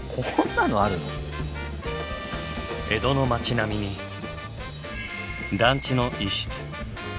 江戸の町並みに団地の一室。